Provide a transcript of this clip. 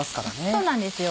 そうなんですよ